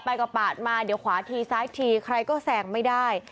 ปาดมาเดี๋ยวขวาทีซ้ายทีใครก็แซงไม่ได้